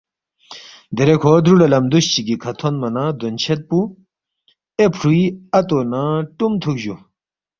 “ دیرے کھو درُولے لم دُوس چِگی کھہ تھونما نہ دونچھید پو اے فرُوی اتو نہ ٹُم تُھوکس جُو